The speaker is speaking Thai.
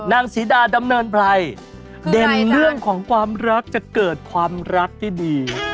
ศรีดาดำเนินไพรเด่นเรื่องของความรักจะเกิดความรักที่ดี